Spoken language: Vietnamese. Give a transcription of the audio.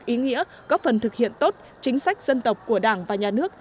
ý nghĩa góp phần thực hiện tốt chính sách dân tộc của đảng và nhà nước